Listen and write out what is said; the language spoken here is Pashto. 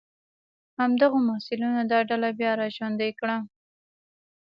همدغو محصلینو دا ډله بیا را ژوندۍ کړه.